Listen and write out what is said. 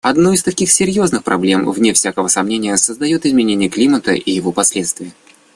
Одну из таких серьезных проблем, вне всякого сомнения, создает изменение климата и его последствия.